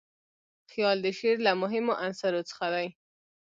خیال د شعر له مهمو عنصرو څخه دئ.